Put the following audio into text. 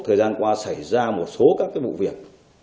thời gian qua xảy ra một số các vụ việc